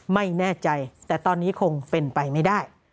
ไม่แน่ใจแต่ตอนนี้คงเป็นไปไม่ได้